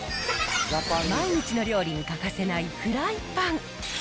毎日の料理に欠かせないフライパン。